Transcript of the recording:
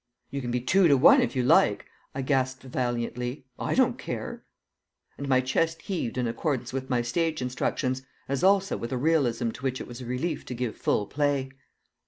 "You can be two to one if you like," I gasped valiantly. "I don't care." And my chest heaved in accordance with my stage instructions, as also with a realism to which it was a relief to give full play.